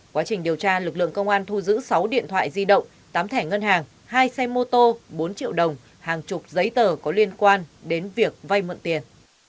quá trình điều tra lực lượng công an thu giữ sáu điện thoại di động tám thẻ ngân hàng hai xe mô tô bốn triệu đồng hàng chục giấy tờ có liên quan đến việc vay mượn tiền